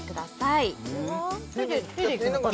これは手でいくのかな？